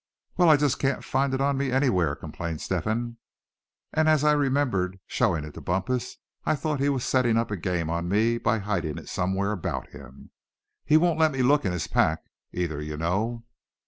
"Well, I just can't find it on me anywhere," complained Step hen; "and as I remembered showing it to Bumpus, I thought he was setting up a game on me by hiding it somewhere about him. He wouldn't let me look in his pack, either, you know."